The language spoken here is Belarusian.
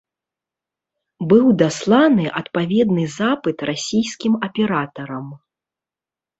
Быў дасланы адпаведны запыт расійскім аператарам.